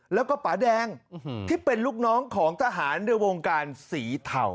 แล้วก็ป่าแดงที่เป็นลูกน้องของทหารในวงการสีเทา